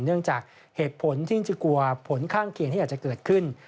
เนื่องจากเหตุผลที่จะกลัวผลข้างเคียงที่อาจจะเกิดขึ้น